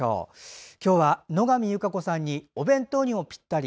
今日は、野上優佳子さんにお弁当にもピッタリ！